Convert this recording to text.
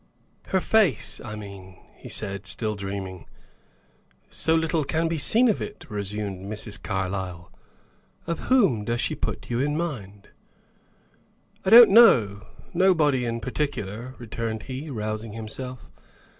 "Her face, I mean," he said, still dreaming. "So little can be seen of it," resumed Mrs. Carlyle. "Of whom does she put you in mind?" "I don't know. Nobody in particular," returned he, rousing himself.